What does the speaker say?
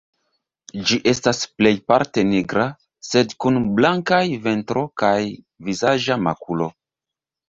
Ĝi estas plejparte nigra, sed kun blankaj ventro kaj vizaĝa makulo.